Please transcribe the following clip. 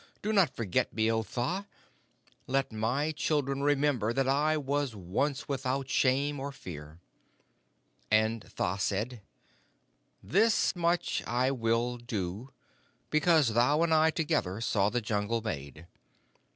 Do not forget me, O Tha! Let my children remember that I was once without shame or fear!' And Tha said: 'This much I will do, because thou and I together saw the Jungle made.